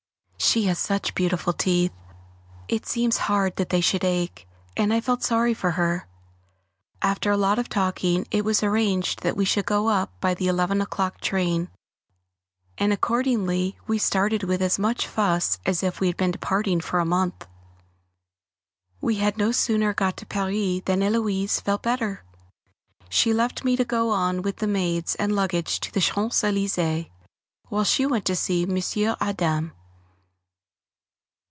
She has such beautiful teeth, it seems hard that they should ache, and I felt very sorry for her. After a lot of talking it was arranged that we should go up by the 11 o'clock train, and accordingly we started with as much fuss as if we had been departing for a month. We had no sooner got to Paris than Héloise felt better. She left me to go on with the maids and luggage to the Champs Elysées, while she went to see M. Adam.